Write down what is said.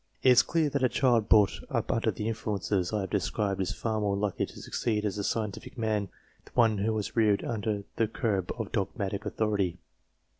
It is clear that a child brought up under the influences I have described is far more likely to succeed as a scientific man than one who was reared under the curb of dogmatic authority.